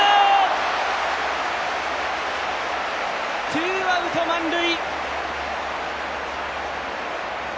ツーアウト満塁。